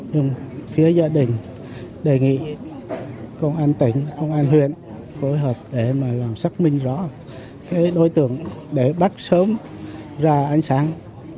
nhưng phía gia đình đề nghị công an tỉnh công an huyện phối hợp để mà làm xác minh rõ cái đối tượng để bắt sớm ra ánh sáng